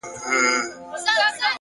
د حقیقت منل ازادي زیاتوي.!